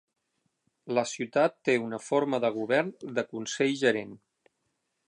La ciutat té una forma de govern de consell-gerent.